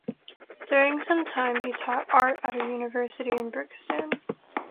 During some time he taught art at a university in Brixton.